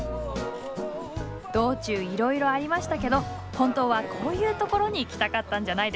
道中いろいろありましたけど本当はこういうところに来たかったんじゃないですか？